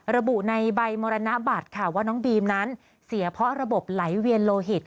ระบุในใบมรณบัตรค่ะว่าน้องบีมนั้นเสียเพราะระบบไหลเวียนโลหิต